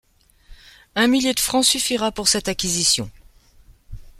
Un millier de francs suffira pour cette acquisition !